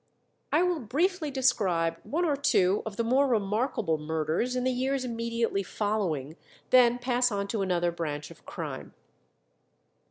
I will briefly describe one or two of the more remarkable murders in the years immediately following, then pass on to another branch of crime.